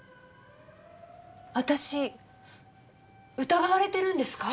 私疑われてるんですか？